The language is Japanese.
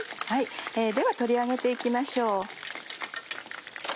では取り上げて行きましょう。